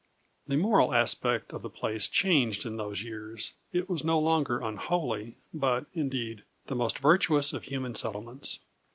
The moral aspect of the place changed in those years; it was no longer unholy, but, indeed, the most virtuous of human settlements.